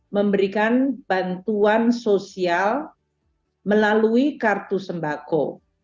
memberikan bantuan sosial melalui kartu sembako